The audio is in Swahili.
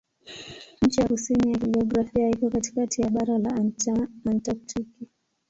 Ncha ya kusini ya kijiografia iko katikati ya bara la Antaktiki.